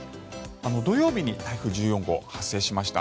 土曜日に台風１４号が発生しました。